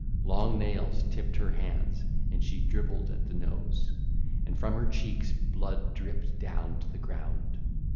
Long nails tipped her hands, and she dribbled at the nose, and from her cheeks blood dripped down to the ground.